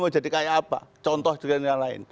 mau jadi kayak apa contoh juga yang lain